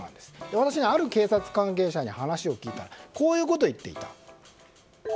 私、ある警察関係者に話を聞いたらこういうことを言っていました。